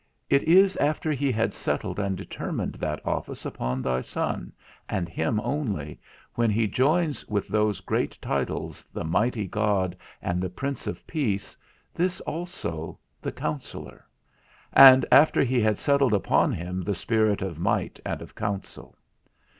_ it is after he had settled and determined that office upon thy Son, and him only, when he joins with those great titles, the mighty God and the Prince of peace, this also, the Counsellor; and after he had settled upon him the spirit of might and of counsel.